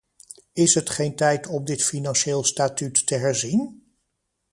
Is het geen tijd om dit financieel statuut te herzien?